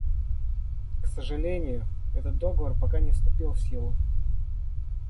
К сожалению, этот Договор пока не вступил в силу.